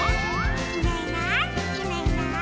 「いないいないいないいない」